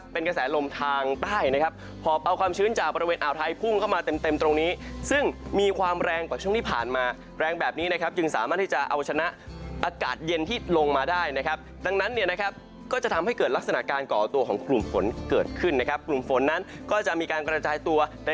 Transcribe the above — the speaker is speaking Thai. เป็นกระแสลมทางใต้นะครับหอบเอาความชื้นจากบริเวณอ่าวไทยพุ่งเข้ามาเต็มเต็มตรงนี้ซึ่งมีความแรงกว่าช่วงที่ผ่านมาแรงแบบนี้นะครับจึงสามารถที่จะเอาชนะอากาศเย็นที่ลงมาได้นะครับดังนั้นเนี่ยนะครับก็จะทำให้เกิดลักษณะการก่อตัวของกลุ่มฝนเกิดขึ้นนะครับกลุ่มฝนนั้นก็จะมีการกระจายตัวใน